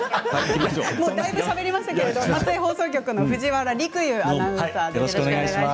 だいぶ話しましたけれど松江放送局の藤原陸遊アナウンサーです。